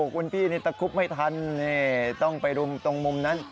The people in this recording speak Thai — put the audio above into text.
คุณพี่นี่ตะคุบไม่ทันต้องไปรุมตรงมุมนั้น